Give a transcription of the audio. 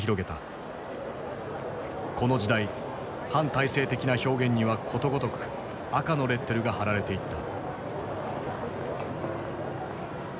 この時代反体制的な表現にはことごとく「赤」のレッテルが貼られていった。